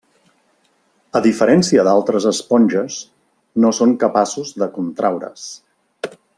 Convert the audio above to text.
A diferència d'altres esponges, no són capaços de contraure's.